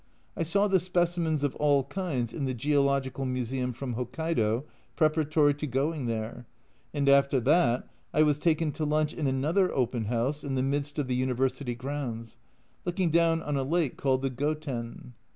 I saw the specimens of all kinds in the Geological Museum from Hokkaido preparatory to going there, and after that I was taken to lunch in another open house in the midst of the University grounds, looking down on a lake called the Goten.